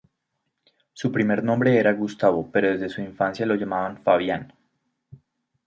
Su primer nombre era Gustavo pero desde su infancia lo llamaban Fabián.